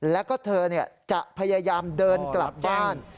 แล้วก็เธอจะพยายามเดินกลับบ้าน